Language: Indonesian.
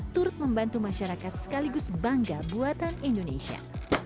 turut membantu masyarakat sekaligus bangga buatan indonesia